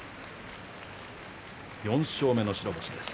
４勝目の白星です。